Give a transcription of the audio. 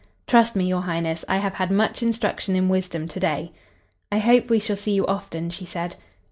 "Trust me, your Highness. I have had much instruction in wisdom to day." "I hope we shall see you often," she said.